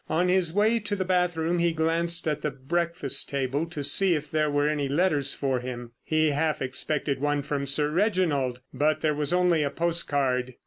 On his way to the bathroom he glanced at the breakfast table to see if there were any letters for him. He half expected one from Sir Reginald. But there was only a postcard.